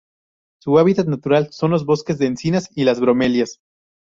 Su hábitat natural son los bosques de encinas y las bromelias.